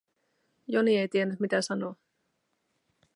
Joni ei tiennyt mitä sanoa.